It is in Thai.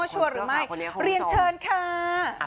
หรือไม่เรียนเชิญค่ะ